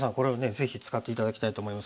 ぜひ使って頂きたいと思います。